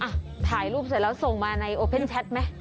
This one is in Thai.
อ่ะถ่ายรูปเสร็จแล้วส่งมาในโอเพ่นแชทไหม